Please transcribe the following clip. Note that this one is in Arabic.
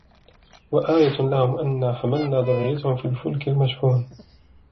وَآيَةٌ لَهُمْ أَنَّا حَمَلْنَا ذُرِّيَّتَهُمْ فِي الْفُلْكِ الْمَشْحُونِ